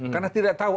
karena tidak tahu